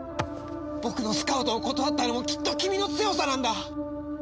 僕のスカウトを断ったのもきっと君の強さなんだ！